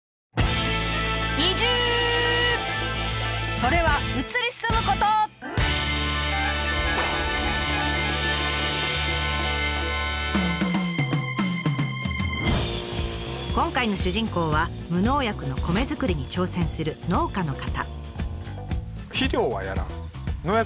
それは今回の主人公は無農薬の米作りに挑戦する農家の方。